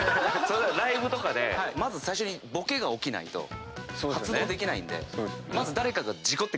ライブとかでまず最初にボケが起きないと発動できないんで。